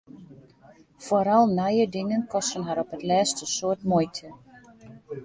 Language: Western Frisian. Foaral nije dingen kosten har op 't lêst in soad muoite.